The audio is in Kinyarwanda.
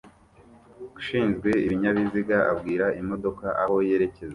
Ushinzwe ibinyabiziga abwira imodoka aho yerekeza